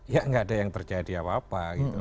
ya nggak ada yang terjadi apa apa gitu